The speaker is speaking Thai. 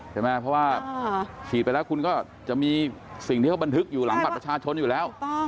ใช่ไหมเพราะว่าฉีดไปแล้วคุณก็จะมีสิ่งที่เขาบันทึกอยู่หลังบัตรประชาชนอยู่แล้ว